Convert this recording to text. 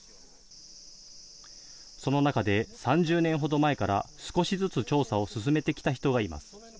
その中で、３０年ほど前から少しずつ調査を進めてきた人がいます。